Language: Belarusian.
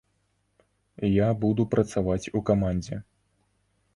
Я буду працаваць у камандзе.